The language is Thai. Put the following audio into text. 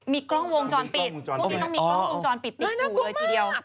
มีกล้องวงจรปิด